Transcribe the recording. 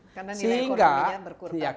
karena ekonominya berkurangan